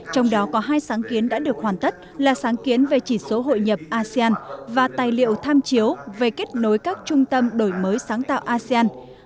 trong đó có hai sáng kiến đã được hoàn tất là sáng kiến về chỉ số hội nhập asean và tài liệu tham chiếu về kết nối các trung tâm đổi mới sáng tạo asean